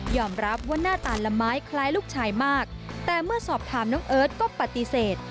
รับว่าหน้าตาละไม้คล้ายลูกชายมากแต่เมื่อสอบถามน้องเอิร์ทก็ปฏิเสธ